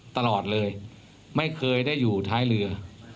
ตลอดเลยไม่เคยได้อยู่ท้ายเรือ